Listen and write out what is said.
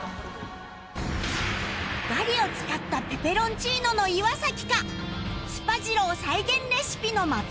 ガリを使ったペペロンチーノの岩かすぱじろう再現レシピの松尾か？